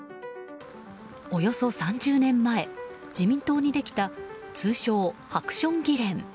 およそ３０年前、自民党にできた通称ハクション議連。